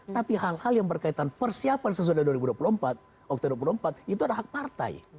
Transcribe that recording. tapi hal hal yang berkaitan persiapan sesudah dua ribu dua puluh empat oktober dua ribu dua puluh empat itu adalah hak partai